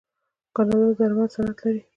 کاناډا د درملو صنعت لري.